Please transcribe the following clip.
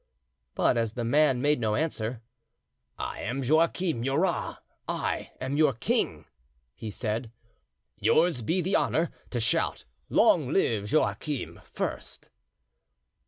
But as the man made no answer: "I am Joachim Murat, I am your king," he said. "Yours be the honour to shout 'Long live Joachim!' first."